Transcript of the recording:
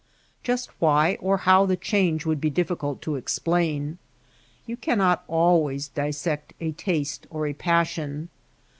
Just why or how the change would be difficult to explain. You cannot always dissect a taste or a passion.